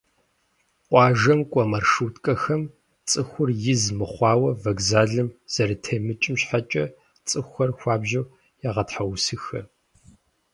Къуажэм кӏуэ маршруткэхэм цӏыхур из мыхъуауэ вокзалым зэрытемыкӏым щхьэкӏэ цӏыхухэр хуабжьу егъэтхьэусыхэ.